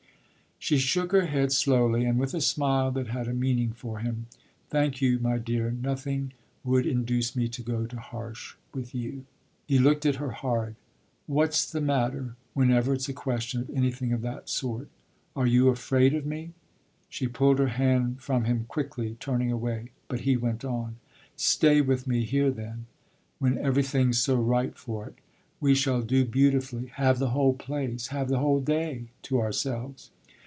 She shook her head slowly and with a smile that had a meaning for him. "Thank you, my dear; nothing would induce me to go to Harsh with you." He looked at her hard. "What's the matter whenever it's a question of anything of that sort? Are you afraid of me?" She pulled her hand from him quickly, turning away; but he went on: "Stay with me here then, when everything's so right for it. We shall do beautifully have the whole place, have the whole day, to ourselves.